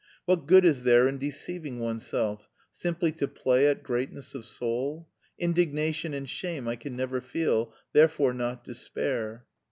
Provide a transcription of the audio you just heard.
What good is there in deceiving oneself? Simply to play at greatness of soul? Indignation and shame I can never feel, therefore not despair.